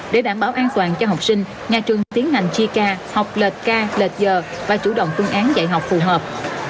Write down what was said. để đảm bảo an toàn cho học sinh nhà trường tiến hành chia ca học lệch ca lệch giờ và chủ động phương án dạy học phù hợp